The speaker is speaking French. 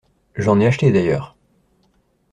J’en ai acheté d’ailleurs.